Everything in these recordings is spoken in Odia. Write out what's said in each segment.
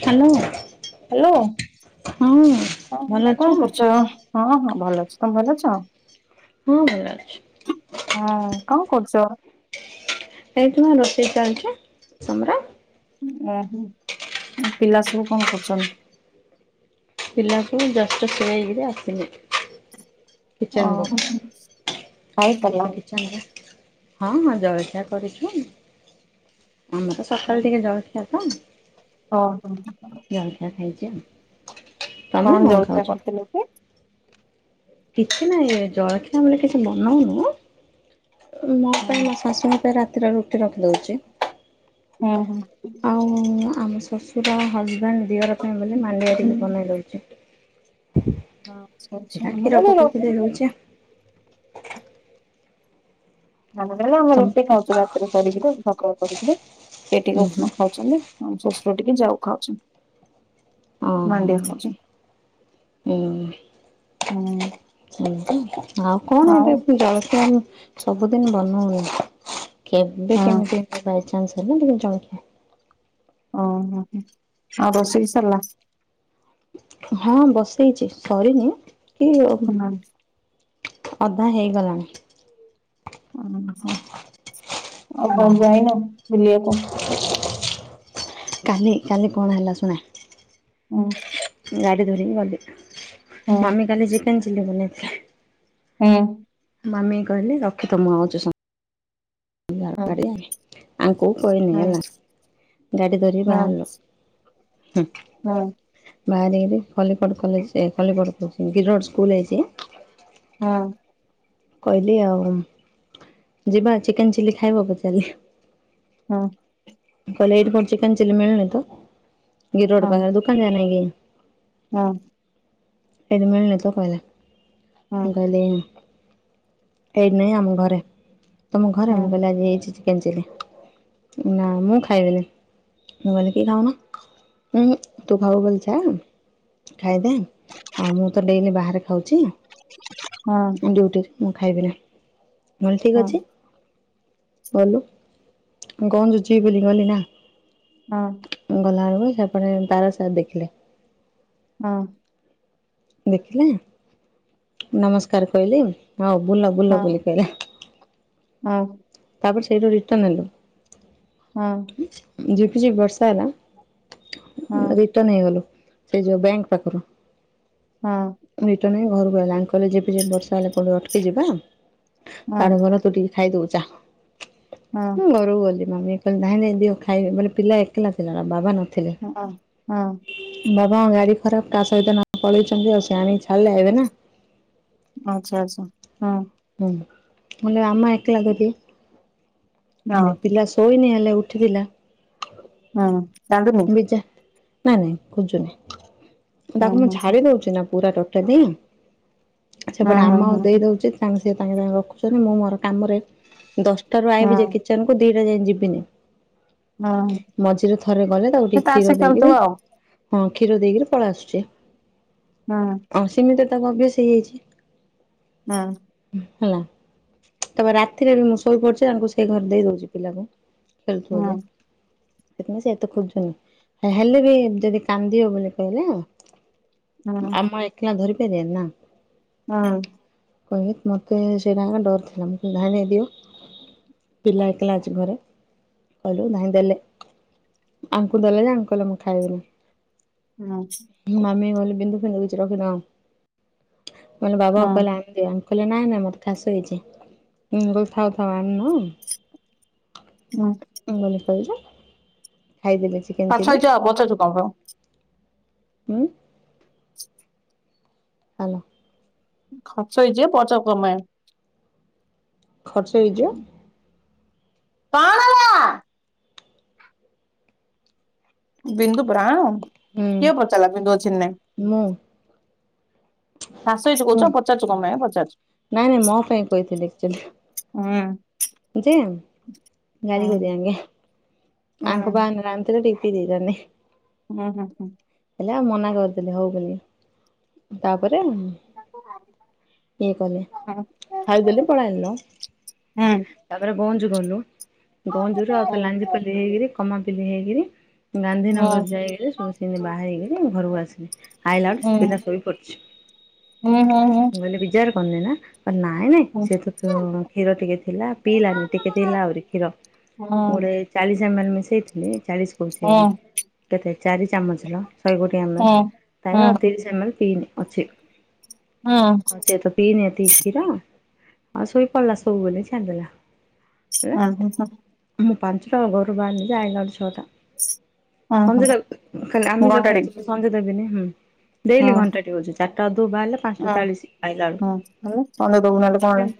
ହ୍ୟାଲୋ ହ୍ୟାଲୋ ହଁ ହଁ ଭଲ ଅଛ କଣ କରୁଚ? ହଁ ହଁ ଭଲ ଅଛି ତମେ ଭଲ ଅଛ? ହଁ ଭଲ ଅଛି। ହୁଁ କଣ କରୁଚ? ଏଇଠି ମୋ ରୋଷେଇ ଚାଲଚି ରୁମ ରେ। ଓହୋ ଆ ପିଲା ସବୁ କଣ କରୁଚନ୍ତି? ପିଲାକୁ ଜଷ୍ଟ ସୁଆଇକିରି ଆସିଲି। ଓ କିଚେନକୁ ହ। ହଁ ହଁ ଜଳଖିଆ କରିଛୁ ଆମର ସଖାଳୁ ଟିକେ ଝଳଖିଆ ତ ଓ ହୋ। ଜଳଖିଆ ଖାଇଚି ଆଉ। ତମେ କଣ ଜଳଖିଆ ଖାଉଛ? କରିଥିଲେ କି? କିଛି ନାହିଁ ଜଳଖିଆ ବୋଇଲେ କିଛି ବନୋଉନୁ ମୋ ପାଇଁ ହୁଁ ମୋ ଶାଶୁଙ୍କ ପାଇଁ ରାତିରେ ରୁଟି ରଖିଦଉଚି ହୁଁ। ଆଉ ଆମ ଶଶୁର ହଜବେଣ୍ଡ ଦିଅର ପାଇଁ ବୋଲି ମାଣ୍ଡିଆ ଟିକେ ବନେଇ ହୁଁ। ଦଉଚି। ଆଚ୍ଛା ଆଚ୍ଛା ଆ ଆମର କ୍ଷୀର ଏଇ ପକେଇକି ରୁଟି ଦେଇ ଦଉଛେ। ନ ହେ [unintelligible] ଆମେ ତମ ରୁଟି ଖାଉଛୁ ରାତିରେ କରିକିରି ସକାଳ କରିକିରି ଏଠିକି ହୁଁ ହୁଁ ଉଷ୍ମା ଖାଉଛନ୍ତି। ଆମ ଶଶୁର ଟିକେ ଯାଉ ଖାଉଛନ୍ତି। ଓହୋ ମାଣ୍ଡିଆ ଖାଉଛି ହୁଁ ହୁଁ। ଆଉ କଣ ଆଉ ଏବେ ଜଳଖିଆ ସବୁଦିନ ବନଉନି [inaudible] କେବେ ହଁ କେମିତି ବାଇଚାନ୍ସ ହେଲେ ଜଳ [inaudible] ଓ ହୋ ହୋ। ହଁ ରୋଷେଇ ସରିଲା। ହଁ ବସେଇଛି, ସରିନି କି ହଁ। ଅଧା ହେଇଗଲାଣି। ଓ ହ। ଆଉ ହୁଁ କଣ ଯାଇନ ବୁଲିବାକୁ? କାଲି କାଲି କଣ ହେଲା ଶୁଣା? ହୁଁ। ଗାଡି ଧରିକି ଗଲି। ହୁଁ ମାମି କାଲି ଚିକେନ ଚିଲ୍ଲି ବନେଇ। [inaudible] ହୁଁ। ମାମି କହିଲେ ରଖିଥ ମୁଁ ଆଉଛି ସ ହୁଁ ହୁଁ। [unintelligible] ଆଙ୍କୁ କହିନି ହେଲା। ହଁ ଗାଡି ଧରି ବାହାରଲୁ। ହୁଁ। ବାହାରିକିରି ଖଲିକୋଟ କଲେଜ ଏ ଖଲିକୋଟ ଉଁ ଗିରିରୋଡ଼ ସ୍କୁଲରେ ହେଇଛି ହୁଁ। କହିଲି ଆଉ ଯିବା ଚିକେନ ଚିଲି ଖାଇବ ପଚାରଲି। ହୁଁ। କହିଲେ ଏଇଠେ କୋଉଠି ଚିକନ ଚିଲି ମିଳୁନି ତ ଗିରି ରୋଡ ପାଖରେ, ଦୁକାନ ଯାଏ ନାଇଁ କିି। ହୁଁ। ଏଇଠି ମିଳୁନି ତ କହିଲେ। ହଁ ମୁଁ କହିଲି ଏଇଠି ନାଇଁ ଆମ ଘରେ। ତମ ଘରେ ହଁ ମୁଁ କହିଲି ଆଜି ଏଇଠି [unintelligible] ଚିକେନ ଚିଲି। ନା ମୁଁ ଖାଇବିନି। ମୁଁ କହିଲି କି ଖାଉନ। ଉଁ ହୁଁ ତୁ ଖାଇବୁ ବୋଲେ ଚାଲ। ଖାଇଦେ ଆଉ ମୁଁ ତ ଡେଲି ବାହାରେ ଖାଉଛି। ହଁ ଡ୍ୟୁଟିରେ ମୁଁ ଖାଇବି ନାହିଁ। ମୁଁ କହିଲି ଠିକ ହଁ ଅଛି। ଗଲୁ କଣ [unintelligible] ବୋଲି ଗଲି ନା ହଁ। ଗଲା ବେଳକୁ ସେପଟେ ତାର ସାର ଦେଖିଲେ। ହଁ। ଦେଖିଲେ ନମସ୍କାର କହିଲି, ହଉ ବୁଲ ବୁଲ ବୋଲି କହିଲେ। ହଁ। ତାପରେ ସେଇଠୁ ରିଟର୍ନ ନେଲୁ। ହଁ। ଜିପ ଜିପ ବର୍ଷା ହେଲା। ହଁ [unintelligible] ଟର୍ନ ନେଇଗଲୁ ସେ ଯୋଉ ବ୍ୟାଙ୍କ ପାଖରୁ। ହଁ। ରିଟର୍ନ ହେଇ ଘରକୁ ହେଲାଣି କହିଲେ ଝିପ ଝିପ ବର୍ଷା ହେଲେ ପୁଣି ଅଟକି ଯିବା, ହଁ ତାଠୁ ଭଲ ତୁ ଟିକେ ଖାଇଦବୁ ଯା। ହଁ। ମୁଁ ଘରକୁ ଗଲି ମମୀଙ୍କୁ କିହିଲି ନାଇଁ ନାଇଁ ଦିଅ ଖାଇବେ। ବୋଲେ ପିଲା ଏକଲା ଥିଲା ନା ବାବା ନ ହଁ ହଁ। ବାବାଙ୍କ ଗାଡ଼ି ଖରାପ କାହା ସହିତ ନ ପଳେଇଛନ୍ତି ଆଉ ସେ ଆଣିକି ଛାଡ଼ିଲେ ଆଇବେ ନା। ଆଚ୍ଛା ଆଚ୍ଛା ହଁ। ମୁଁ କହିଲି ଆମେ ଏକଲା ଯଦି ହଁ [unintelligible] ପିଲା ଶୋଇନି ହେଲେ ଉଠିଥିଲା। ହୁଁ କାନ୍ଦୁନି। ନାଇଁ ନାଇଁ ଖୋଜୁନି। ହୁଁ ତାକୁ ମୁଁ ହୁଁ ହୁଁ ଛାଡି ଦଉଛି ନା ପୁରା ଟୋଟାଲି। ସେପଟେ ହୁଁ ଆମା ହୁଁ ଦେଇ ଦେଉଛି ତାଙ୍କ ସେ ତାଙ୍କେ ରଖୁଛନ୍ତି ମୁଁ ମୋର କାମରେ। ଦଶଟାରୁୁ ଆଇବି ହୁଁ ଯେ କିଚେନକୁ ଦିଟା ଯାଇ ଯିବିନି। ହୁଁ ମଝିରେ ଥରେ ଗଲେ ତାକୁ ସେ ତାର କ୍ଷୀର ସେ ଖେଳୁଥିବ ଦେଇକିରି ଆଉ ହଁ କ୍ଷୀର ଦେଇକିରି ପଳେଇ ଆସୁଛି। ହଁ ହଁ ସିମିତି ତାକୁ ଅଭ୍ୟାସ ହେଇଯାଇଛି। ହଁ ହେଲା ତାପରେ ରାତିରେ ବି ମୁଁ ଶୋଇ ପଡୁଛି। ରୋଷେଇ କରି ଦେଇ ଦଉଛି ପିଲାକୁ। ଖେଳୁଥିବ ହୁଁ ବୋଧେ। [unintelligible] ଏତେ ଖୋଯୁନି ହେଲେ ବି ଯଦି କାନ୍ଦିଅ ବୋଲି କହିଲେ। ହୁଁ ହୁଁ ଆମ ଏକ୍ଲା ଧରିପାରିବେନି ନା। ହଁ ଏମିତ୍ ମୋତେ ସେଇଟାଙ୍କ ଡର ଥିଲା। ମୁଁ କହିଲି ଯାହା ଭାବିବ ପିଲା ଏକଲା ଆଜି ଘରେ କହିଲାକୁ ଧାଇଁ ଗଲେ। ଆଙ୍କୁ ଦେଲେ ଯେ ଆଙ୍କେ କହିଲେ ମୁଁ ଖାଇବିନି। ହୁଁ [unintelligible] ମାମି କହିଲ ବିନ୍ଦୁ ଫିଧୁ କିଛି ରଖିଦ କହିଲେ ଏମି ବାବା ହୁଁ କହିଲ [unintelligible] ଆମକୁ କହିନାହାନ୍ତି ମୋର ମଥାସ ହେଇଛି ହୁଁ ଥାଉ ଥାଉ ଆମକୁ ନାଇଁ ଆ [inaudible] ହଁ ଭଲ ପାଇବୁ ଖାଇଦେଲେ ଚିକେନ୍ ଚିଲି ଉ ହ୍ୟାଲୋ ଖର୍ଚ୍ଚ ହେଇଯିବ ପଚ କମା ଖର୍ଚ୍ଚ ହେଇଯିବ କଣ? ବିନ୍ଦୁ ବ୍ରାଣ ହୁଁ କିଏ ପଚାରିଲା ବିନ୍ଦୁ ଅଛିକି ନାହିଁ? ମୁଁ ଖାସ ହେଇଚି ମୁଁ କହୁଚ ପଚାରୁଚ କଣ ପାଇଁ ପଚାରୁଚୁ। ନାଇଁ ନାଇଁ ମୋ ପାଇଁ ଉ ଏଚେ ଗାଡି କରିଦି [unintelligible] ହୁଁ ଆଙ୍କ ବାହାନ ରେ ଆଣିଥିଲେ ଟିପି ଦେଇ ଦେଲେ ହୁଁ ହୁଁ ହୁଁ ହେଲେ ଆଉ ମନା କରିଦେଲେ ହଉ ବୋଲି ତାପରେ ଉ ଇଏ କଲେ ହୁଁ ହୁଁ ଖାଇଦେଲି ପଳେଇ ଆଇଲି ହୁଁ ତାପରେ ଗଞ୍ଜ ଗଲୁ ଗଞ୍ଜରୁ ହୁଁ ହୁଁ ହୁଁ ହୁଁ ହୁଁ ହୁଁ ହୁଁ ହୁଁ ଆଉଥ ଲାଞ୍ଜି ପଲି ହେଇକରି କମାପଲି ହେଇକରି ଗାନ୍ଧୀିନଗର ଯାଇକଲେ ସବୁ ସି ବାହାରିକରି ଘରକୁ ଆସିଲେ ଆାଇଲା ବେଳୁ ସେ ପିଲାଶୋଇ ପଡ଼ିଛି [inaudible] ହୁଁ ହୁଁ ହୁଁ ନି ନା ନାଇଁ ନାଇଁ ସେ ତ କ୍ଷୀର ଟିକେ ଥିଲା ପିଇଲାନି ଟିକେ ପିଇଲା ଆହୁରି କ୍ଷୀର ମୋଟ୍ ଚାଳିଶ ଏମେଲ ମିଶେଇ ଚାଳିଶ କହୁଛି କେତେ ଚାରି ଚାମଚ [unintelligible] ଲୋ ଶହେ ହୁଁ ଗୋଟିଏମଲଉତିରିଶ ଜମା ବି ପିନ [unintelligible] ଅଛିେ ଚ ପିନୀ ଏତିକି କ୍ଷୀର ଆଉ ଶୋଇ ପଇଲା [unintelligible] ଆଉ ଶୋଇ ପଡିଲା ସବୁବେ ଛଡି ହ [unintelligible] ମୁଁ ପାଞ୍ଚ ଟା ବେଳୁ ଘରୁ ବାହାରିଲି ଆଇଲା ବେଳୁ ଛଟା ସନ୍ଧ୍ୟା ଖାଲି ଆମି ଯ ଘଣ୍ଟାଡି ଖାଇଛୁ ମନ୍ଦିର ଯିବିନି ହୁଁ ଡେଲି ଘଣ୍ଟା ଟିକେ ହଉଛି ଚାରିଟା କୁ ବାହାରିଲା ପାଞ୍ଚଟା ଚାଳିଶ ଆଇଲା ହୁଁ ହୁଁ କଣ ଦବୁ ନହେଲେ କଣ ବେଳୁ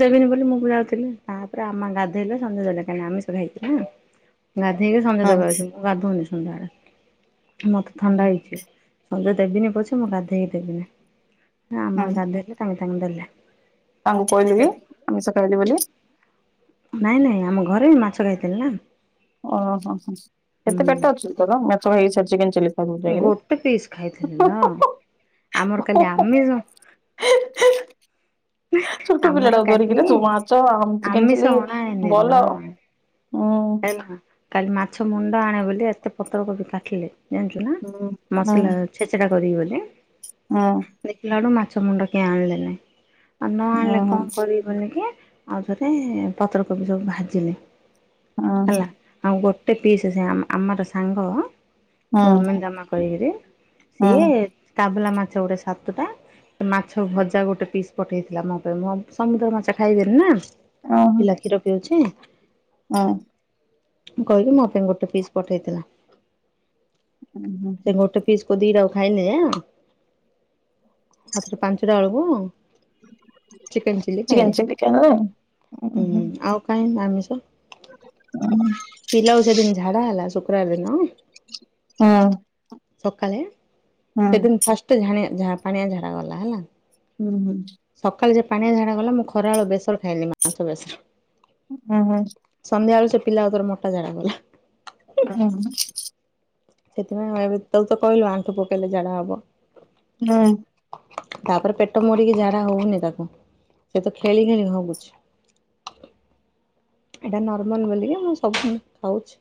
ଦେବିନି ବୋଲି ମୁଁ ବୁ ଯାଉଥିଲି ତାପରେ ଆମା ଗାଧୋଇଲେ ସନ୍ଧ୍ୟା ଦେଲେ କାହିଁକି ଆମେ ଆମିଷ ଖାଇଥିଲି ନାଁ ଗାଧେଇକି ସନ୍ଧ୍ୟା ଦେବାକୁ ଆଉଚୁ, ମୁଁ ଗାଧଉନି ସନ୍ଧ୍ୟାବେଳେ, ମତେ ଥଣ୍ଡା ହୁଁ ହେଇଛି। ସଞ୍ଜ ଦେବିନି ପଛେ ମୁଁ ଗାଧେଇ ଦେବିନି। ଆମ ହୁଁ ଗାଧେଇଲେ ତାଙ୍କେ ତାଙ୍କେ ଦେଲେ। ତାଙ୍କୁ କହିଲି ବି ଆମିଷ ଖାଇଲି ବୋଲି। ନାଇଁ ନାଇଁ, ଆମ ଘରେ ମାଛ ଖାଇଥିଲି ନା। ଓହୋ ହୋ। କେତେ ପେଟ ଅଛି କି ତୋର ମାେଛ ଖାଇକି ଛାତି ଖେଞ୍ଚିଲେ। ଗୋଟେ ପିସ୍ ଖାଇଥିଲି ନ, ଆମର କାଲି ଆମିଷ ଛୋଟ ଆମର ପିଲାଟାକୁ କାଲି ଧରିକିରି ତୁ ମାଛ ଆମ ଚିକେନ ଆମିଷ ଚିଲ୍ଲି ଅଣା ହେଇନି ବଲ ଲୋ। ହେଲା, କାଲି ମାଛ ମୁଣ୍ଡ ଆଣେ ବୋଲି ଏତେ ପତ୍ରକୋବି କାଟିଲି। ଜାଣିଛୁ ନା, ହୁଁ ମସଲା ଛେଚେଡା କରିବି ବୋଲି। ହଁ। ଦେଖିଲା ବେଳକୁ ମାଛ ମୁଣ୍ଡ କିଏ ଆଣିଲେନେଇ, ହୁଁ ନଆଣିଲେ ହୁଁ କଣ କରିବି ବୋନିକି ଆଉଥରେ ପତ୍ରକୋବି ସବୁ ଭାଜିଲି। ହୁଁ ହେଲା, ହୁଁ ଆଉ ଗୋଟେ ପିସ୍ ଅଛି ଆ-ଆମର ସାଙ୍ଗ ମୁଁ ହୁଁ [unintelligible] ଜମା କରିକିରି ସିଏ ତାବୁଲା ମାଛ ଗୋଟେ ସାତଟା ମାଛ ଭଜା ଗୋଟେ ପିସ୍ ପଠେଇଥିଲା ମୋ ପାଇଁ, ମୁଁ ସମୁଦ୍ର ମାଛ ଖାଇବିନି ନା ପିଲା କ୍ଷୀର ପିଉଛି। ହଁ। ମୁଁ କହିଲି ମୋ ପାଇଁ ଗୋଟେ ପିସ୍ ପଠେଇଥିଲା। ହୁଁ ସେ ହୁଁ। ଗୋଟେ ପିସ୍ କୁ ଦିଟାକୁ ଖାଇନି ଯେ ଆଉଥରେ ପାଞ୍ଚୁଟା ବେଳକୁ, ଚିକେନ ଚିଲ୍ଲି ଖାଇଲେ। କେଲେ, ହଁ ହୁଁ। କାଇଁ ନା ଆମିଷ? ହୁଁ। ପିଲାକୁ ସେଦିନି ଝାଡା ହେଲା ଶୁକ୍ରବାର ଦିନ ହଁ। ସକାଳେ, ସେଦିନ ଫାଷ୍ଟ ଝାଣିଆ ପାଣିଆ ଝାଡ଼ା ଗଲା ହେଲା। ହୁଁ ହୁଁ। ସକାଳେ ସିଏ ପାଣିଆ ଝାଡା ଗଲା, ମୁଁ ଖରାବେଳୁ ବେସର ଖାଇଲି ମାଂସ ବେସର। ହୁଁ ହୁଁ। ସନ୍ଧ୍ୟାବେଳୁ ସେ ପିଲା ଆଉଥରେ ମୋଟା ଝାଡ଼ା ଗଲା। ଉଁ ହୁଁ। ସେଥିପାଇଁ ବେଳେବେଳେ ତାକୁ ତ କହିଲୁ ଆଣ୍ଠୁ ପକେଇଲେ ଝାଡା ହବ। ହୁଁ। ତାପରେ ପେଟ ମୋଡ଼ିକି ଝାଡା ହଉନି ତାକୁ, ସେ ତ ଖେଳି ଖେଳି ହଗୁଛି। ଏଇଟା ନର୍ମାଲ ବୋଲିକି ମୁଁ ସବୁ ସେମତି ଖାଉଛି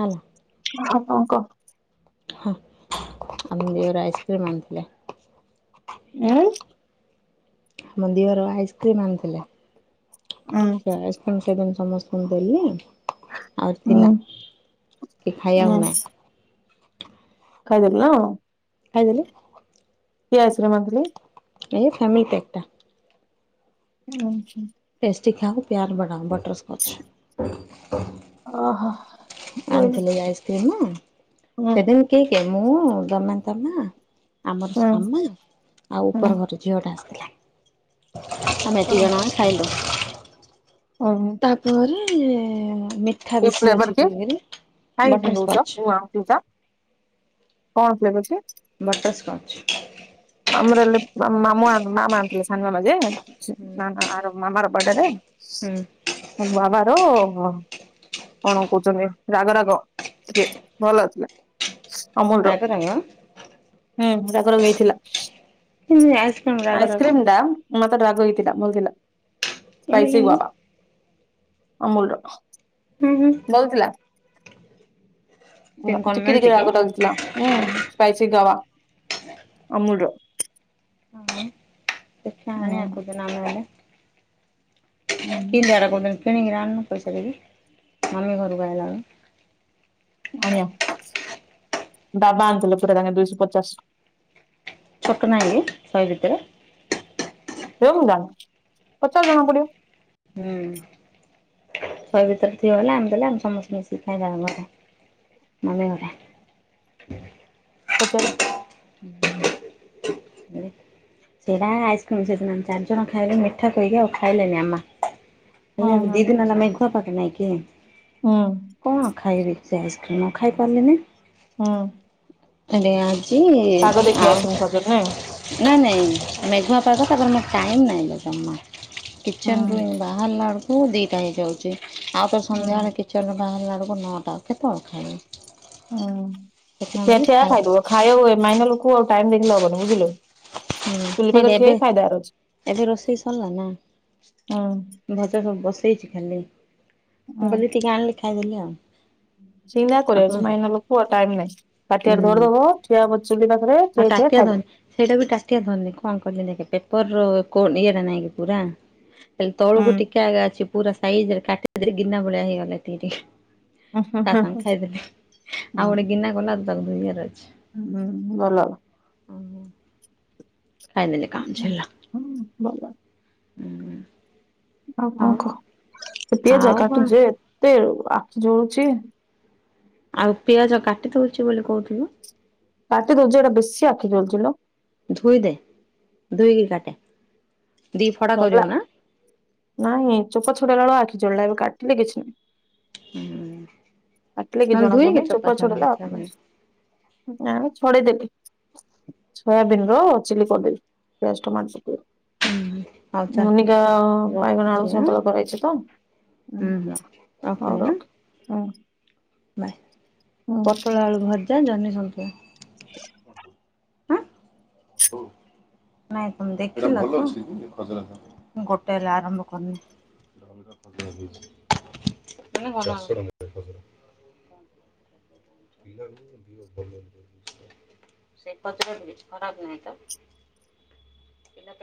ହେଲା। ହଁ କଅଁ କହ? ହଁ, ଆମେ ଯୋଉରା ଆଇସ୍କ୍ରିମ୍ ଆଣିଥିଲେ। ଉଁ? ଆମ ଦିଅର ଆଇସ୍କ୍ରିମ ଆଣିଥିଲେ, ଉଁ ସେ ଆଇସ୍କ୍ରିମ୍ ସେଦିନ ସମସ୍ତେ ପୁଣି ଦେଲି, ଆହୁରି ଉଁ ଥିଲା କି ଉଁ ଖାଇଆକୁ ନାହିଁ। ଖାଇଦେଲୁ ନୁହଁ? ଖାଇଦେଲୁ। କିଏ ଆସିର ମନ୍ଥଲି? ଏଇ ଫ୍ୟାମିଲି ପ୍ୟାକଟା। ଉଁ ହୁଁ। ଟେଷ୍ଟି ଖାଅ ପ୍ୟାର ବଢ଼ାଅ, ବଟରସ୍କଚ। ଓହୋ। ରହିଲି ଆଣିଥିଲି ଆଇସ୍କ୍ରିମ ନା, ହୁଁ ସେଦିନ କିଏ କିଏ? ମୁଁ ଜମା ତମା ଆମରସ୍ ହୁଁ ଆାମେ ଆଉ ହୁଁ ଉପର ଘର ଝିଅ ଟା ଆସିଥିଲା। ଆମେ ଦିଜଣ ଖାଇଲୁ। ଓଁ ତାପରେ ମିଠା ବେଶି ଅଛି ଆ ଉଁ କାଇଁ ଚିଲଉଚ ନୂଆ ମଟୂରଟା କଣ ପ୍ଳେଵ୍ ଅଛି। Butterscotch. ଆମର ଲେପ୍ ମାମୁ ମାମୁ ମାଆମା ଆଣିଥିଲେ ସାନୁ ମାମା ଯେ ହୁଁ [unintelligible] ମାମାର ବାଡେଯେ ହୁଁ ମାମାର କଣ କଉଚନ୍ତି ରାଗ ରାଗ ଟିକେ ଭଲଥିଲା। ଅମୁରୁ ର ରାଗ ରାଗ ହୁଁ ଜାଗର ହେଇଥିଲା।। ଆଇସ୍କ୍ରିମ୍ ରାଗ ଆଇସି ରାଗ କ୍ରିମ୍ ଟା ମତେ ରାଗ ହେଇଥିଲା ଭଲଥିଲା। ଏମିତି ପାଇସି ୱା କେମିତି ଅମୁଲ ର।। ହୁଁ ହୁଁ ଭଲଥିଲା ନା ତିନକଣ ଟିକେ ମିଳୁଛି ଟିକେ କି? ରାଗ ଲାଗୁଥିଲା। ହୁଁ ସ୍ପାଇସି ଗୱ। ଅମୁଲର। ହୁଁ ଛଣେ ଆକୁଦ ନମେଲେ? [unintelligible] ହୁଁ କିନ୍‌ଜାର କୋଉଚନ୍ତି କିଣିକିରି ଆଣନୁ ପଇସା ଦେବି ମମି ଘରକୁ ଆଇଲା ବେଳୁ। ବଡ଼ିଆ ଡାବା ଆଣିଥିଲ ପୁରା ଧଣିଆ ଦୁଇଶହ ପଚାଶ। ଛୋଟ ନାହିଁକି ଶହେ ଭିତରେ। ସେଉ ଗୁଣ୍ଡାକ ପଚାଶ ଜଣ ବୁଲିବ। ହୁଁ। ଶହେ ଭିତରେ ଥିବ ହେଲେ ଆମେ ଦେଲେ ଆମେ ସମସ୍ତେ ମିଶିକି ଖାଇବା ଘରେ ମାମି ଘରେ ପଚାରିବୁ ହୁଁ। ସେଇଟା ଆଇସ୍କ୍ରିମ୍ ସେଦିନ ଆ ଚାରିଜଣ ଖାଇଲେ ମିଠା କହିକି ଆଉ ଖାଇଲେନି ଆମମା ହେ ହଁ ହଁ ଦିଦିନ ନ ମେଘୁ ପାଗ ନାଇକି। ହୁଁ କଣ ଖାଇବେ ସେ ଆଇସ୍କ୍ରିମ୍ ନ ଖାଇ ପାରିଲେ ନାଇଁ। ହଁ। ହେଲେ ଆଜି ଦେଖି ଆଉ ଆସିବୁ ଖଜର ନାଇଁ [unintelligible] ନା ନାଇଁ ମେଘୁଆ ପାଗଟା ତାପରେ ମୋର ଟାଇମ୍ ନାହିଁ ଲୋ ଜମା କିଚେନରୁୁ ଏଇନେ ହୁଁ ବା ବାହାରିଲା ବେଳକୁ ଦିଇଟା ହେଇଯାଉଚି ଆଉ ତ ହୁଁ ସନ୍ଧ୍ୟାବେଳେ କି କିଚେନରୁ ବାହାରିଲା ବେଳକୁ ନଅଟା କେତେବେଳେ ଖାଇବି। ହୁଁ ଠିଆ ଠିଆ ଖାଇ ଖାଇବୁ ଖାଇଆ ମାଇନା ଲୋକ ଆଉ ଟାଇମ ଦେଖିଲେ ହବନି ବୁଝିଲୁ। ଚୁଲି ହୁଁ ପାଖରେ ଠିଆ ବେବେ ହେଇ ଖାଇଦବାର ଅଛି ଏବେ ରୋଷେଇ ସରିଲା ନା। ହୁଁ ଭଜା ସବୁ ବସେଇଚି ଖାଲି ହୁଁ ମୁଁ କଇଲି ଟିକେ ଆଣିଲି ଖାଇଦେଲି ଆଉ। ସିନା ଆଉ କଣ କରିଅଚି କରିବା ମାଇନର ଲୋକ ଆ ଟାଇମ୍‌ନାଇଁ ତାଟିଆରେ ହୁଁ ଧରିଦବ ଠିଆ ବ ଚୁଲି ପାଖରେ ଠିଆ ଆଉ ହେଇ ଠିଆ ତାଟିଆ ଖାଇବ ଧରିନି। ସେଇଟା ବି ଟାଟିଆ ଧରନି କଣ କିଲ ଦେଖ ପେପର ର ଇଏଟା ନାଇଁ କି ପୁରା। ହେଲି ହୁଁ ତଳକୁ ଟିକେ ଆଗ ଅଛି ପୁରା ସାଇଜରେ କା ଗିନା ଭଳିଆ ହେଇଗଲା ଟିକେ ଉଁ ହୁଁ ଟିକେ। ତା ହୁଁ ସାଙ୍ଗ ଖାଇଦେଲେ ଆଉ ହୁଁ ଗୋଟେ ଗିନା କଲା ତାକୁ [unintelligible] ହୁଁ ଭଲ। ଖାଇଦଲେ କାମ ଛିଡିଲା। ହୁଁ ଭଲ। ଆଉ କଣ ହଉ କହ ସେ ପିଆଜା ଆଉ କଣ କାଟୁଜେ ଏତେ ଆଖି ଜଳୁଛି। ଆଉ ପିଆଜ କାଟି ଦଉଛି ବୋଲି କହୁଥିଲୁ। କାଟି ଦଉଡ଼ି ଏଟା ବେଶି ଆଖି ଜଳୁଚିଲୋ। ଧୋଇ ଦେ ଧୋଇକି କାଟେ ଦି ଫଡା ସରିଲା କରିବ ନା। ନାଇଁ ଚୋପ ଛୁଡାଲା ବେଳ ଆଖି ଜୋଳିଲା ଏବେ କାଟିଲେ କିଛି ନାହିଁ। ହୁଁ କାଟିଲେ କି ନହେଲେ ଜଣା ଧୋଇକି ପଡୁନି ଚୋପା ଛଡା କିଛି ହବନି ଛଡେଇଲେ। ଆ ଛଡେଇଦେଲି ସୋୟାବିନ ର ଚିଲି ଚେଷ୍ଟାସ [unintelligible] [inaudible] ମୁନିକା ବାଇଗଣ ରଖୁଛି ଆଳୁ ଆଁ ସନ୍ତୁଳ କରାଇଛି ତ ହୁଁ ହୁଁ ହଉ ରଖ। [unintelligible] ଭାଇ ହୁଁ। ପଟଳ ଆଳୁ ଭଜା ଜହ୍ନି ସନ୍ତୁଳା। [inaudible] ଆଁ ନାଇଁ ତମେ ଦେଖିଲ ତ ଗୋଟେ ହେଲେ ଆରମ୍ଭ କରିନି। [unintelligible] ଭଲ ସେ ପଚଛି ଖରାପ ନାହିଁ ତ। ପିଲା